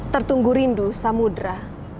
tertunggu rindu samudera